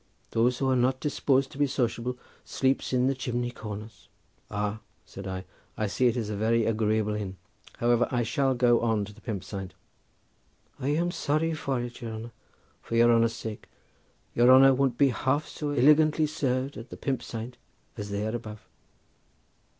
Those who are not disposed to be sociable sleeps in the chimney corners." "Ah," said I, "I see it is a very agreeable inn; however, I shall go on to the 'Pump Saint.'" "I am sorry for it, your honour, for your honour's sake; your honour won't be half so illigantly served at the 'Pump Saint' as there above."